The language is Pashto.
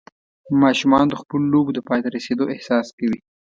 ماشومان د خپلو لوبو د پای ته رسېدو احساس کوي.